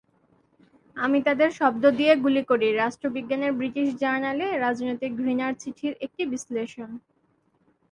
আমি তাদের শব্দ দিয়ে গুলি করি রাষ্ট্রবিজ্ঞানের ব্রিটিশ জার্নালে রাজনৈতিক ঘৃণার চিঠির একটি বিশ্লেষণ।